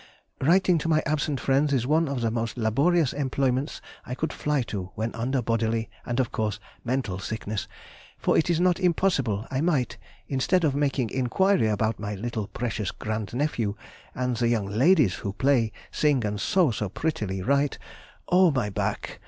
... Writing to my absent friends is one of the most laborious employments I could fly to when under bodily and, of course, mental sickness, for it is not impossible I might, instead of making inquiry about my little precious grand nephew and the young ladies who play, sing, and sew so prettily, write, "O! my back.